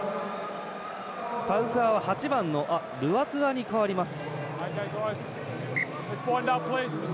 タウフアは８番のルアトゥアに代わります。